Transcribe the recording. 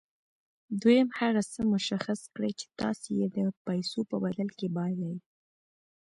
دويم هغه څه مشخص کړئ چې تاسې يې د پیسو په بدل کې بايلئ.